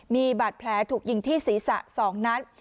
มีบาดแผลถูกยิงที่ศีรษะ๒นัด